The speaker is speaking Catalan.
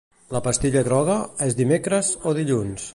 La pastilla groga, és dimecres o dilluns?